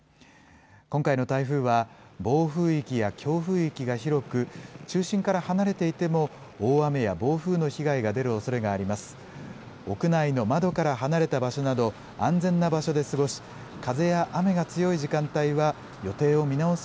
今回の台風は、暴風域や強風域が広く、中心から離れていても、大雨や暴風の被害が出るおそれがあります。